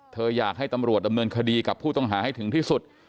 อยากให้ตำรวจดำเนินคดีกับผู้ต้องหาให้ถึงที่สุด